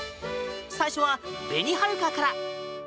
最初は紅はるかから。